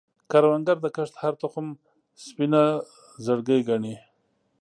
کروندګر د کښت هره تخم سپینه زړګی ګڼي